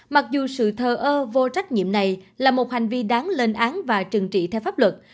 mặc dù sự thờ ơ vô trách nhiệm này là một hành vi đáng lên án và trừng trị theo pháp luật